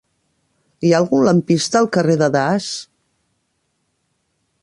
Hi ha algun lampista al carrer de Das?